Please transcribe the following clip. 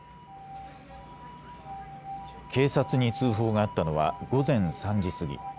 警察に通報があったのは午前３時過ぎ。